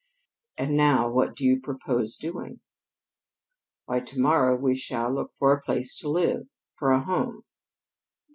"And now what do you propose doing?" "Why, to morrow we shall look for a place to live for a home."